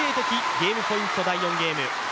ゲームポイント、第４ゲーム。